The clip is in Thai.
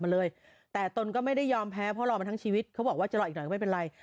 แล้วใส่ป๊อปพรอนนี่หรอ